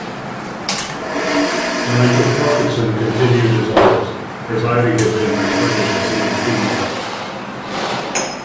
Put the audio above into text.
Nigel Parkinson continued as artist, as Ivy had been reprinted before the team up.